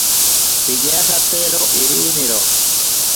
Piñajatero iriniro.